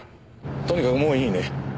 とにかくもういいね？